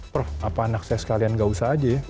prof apa anak saya sekalian gak usah aja ya